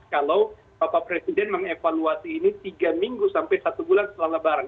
kalau bapak presiden mengevaluasi ini tiga minggu sampai satu bulan setelah lebaran